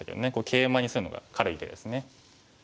ケイマにするのが軽い手ですね。